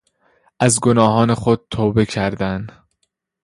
از گناهان خود توبه کردن